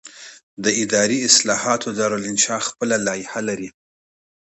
د اداري اصلاحاتو دارالانشا خپله لایحه لري.